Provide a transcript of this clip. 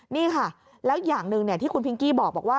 นี่ค่ะแล้วอย่างหนึ่งที่คุณพิงกี้บอกว่า